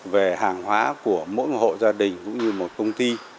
về hàng hóa của mỗi một hộ gia đình cũng như một công ty